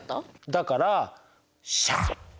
だからシャッて。